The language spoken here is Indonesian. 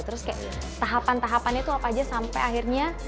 terus kayak tahapan tahapannya itu apa aja sampai akhirnya